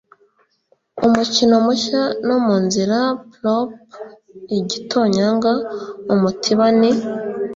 umukino mushya no munzira plop igitonyanga umutiba ni